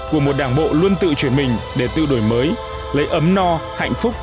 của một đảng bộ luôn tự chuyển mình để tự đổi mới lấy ấm no hạnh phúc